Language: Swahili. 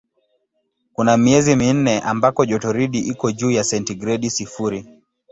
Kuna miezi minne ambako jotoridi iko juu ya sentigredi sifuri.